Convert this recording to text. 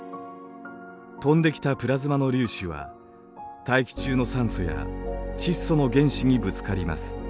飛んできたプラズマの粒子は大気中の酸素や窒素の原子にぶつかります。